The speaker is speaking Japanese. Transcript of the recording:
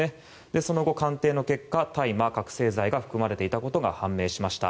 その後、鑑定の結果、大麻覚醒剤が含まれていたことが判明しました。